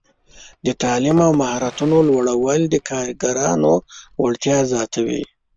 د تعلیم او مهارتونو لوړول د کارګرانو وړتیا زیاتوي.